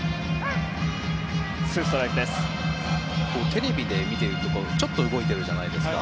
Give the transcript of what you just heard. テレビで見てるとちょっと動いてるじゃないですか。